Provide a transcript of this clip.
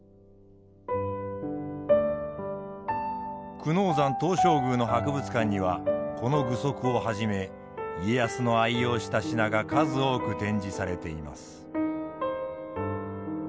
久能山東照宮の博物館にはこの具足をはじめ家康の愛用した品が数多く展示されています。